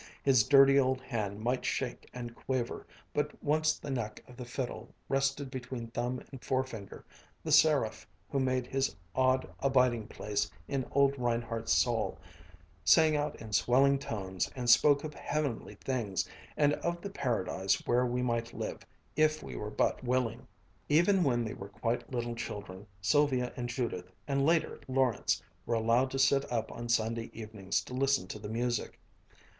His dirty old hand might shake and quaver, but once the neck of the fiddle rested between thumb and forefinger, the seraph who made his odd abiding place in old Reinhardt's soul sang out in swelling tones and spoke of heavenly things, and of the Paradise where we might live, if we were but willing. Even when they were quite little children, Sylvia and Judith, and later, Lawrence, were allowed to sit up on Sunday evenings to listen to the music.